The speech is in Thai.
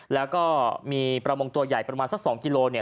แล้วก็มีประมงตัวใหญ่ประมาณสัก๒กิโลเนี่ย